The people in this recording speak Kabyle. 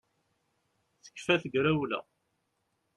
Tekfa tegrawla